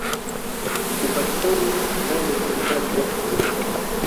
kupatikana ndani ya hifadhi za Arusha